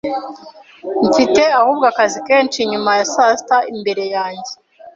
Mfite ahubwo akazi kenshi nyuma ya saa sita imbere yanjye.